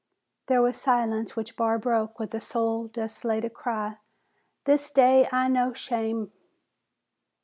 There was silence which Barr broke with a soul desolated cry, "This day I know shame!"